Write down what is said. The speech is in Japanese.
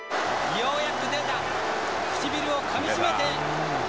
ようやく出た唇をかみしめて。